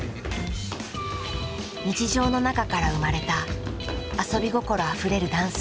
日常の中から生まれた遊び心あふれるダンス。